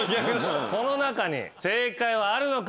この中に正解はあるのか？